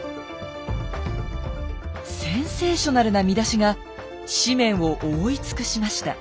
センセーショナルな見出しが紙面を覆い尽くしました。